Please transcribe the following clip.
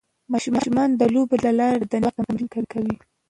ماشومان د لوبو له لارې د بدني ځواک تمرین کوي.